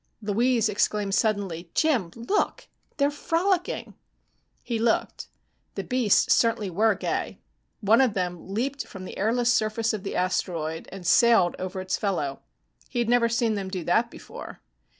Louise exclaimed suddenly, "Jim, look! They're frolicking!" He looked. The beasts certainly were gay. One of them leaped from the airless surface of the asteroid and sailed over its fellow. He had never seen them do that before.